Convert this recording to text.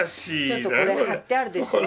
ちょっとこれ貼ってあるでしょ。